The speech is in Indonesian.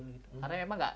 memang gak men's skate